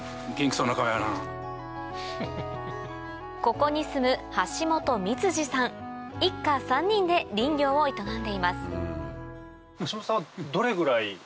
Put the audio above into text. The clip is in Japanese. ここに住む一家３人で林業を営んでいます橋本さんは。